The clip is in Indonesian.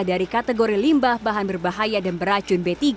dari kategori limbah bahan berbahaya dan beracun b tiga